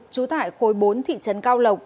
chú tại khối bốn thị trấn cao lộc